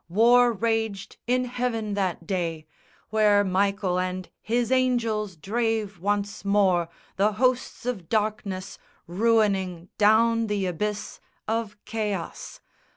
War raged in heaven that day, Where Michael and his angels drave once more The hosts of darkness ruining down the abyss Of chaos.